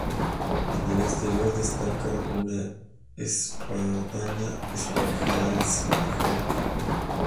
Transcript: En el exterior destaca una espadaña aparejada en sillarejo.